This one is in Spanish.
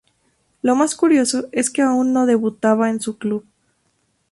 Lo más curioso es que aún no debutaba en su club.